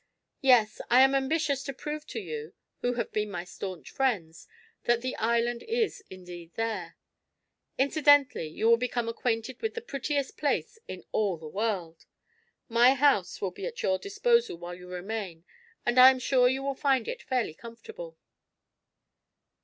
"Yes. I am ambitious to prove to you, who have been my staunch friends, that the island is indeed there. Incidentally you will become acquainted with the prettiest place in all the world. My house will be at your disposal while you remain and I am sure you will find it fairly comfortable."